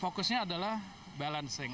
fokusnya adalah balancing